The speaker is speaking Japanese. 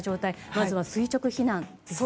まずは垂直避難ですね。